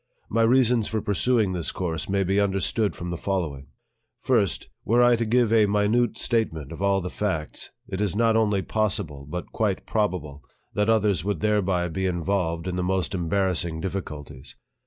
My reasons for pursuing this course may be understood from" the following: First, were I to give a minute statement of all the facts, it is not only possible, but quite probable, that others would thereby be involved in the most embarrassing difficul ties.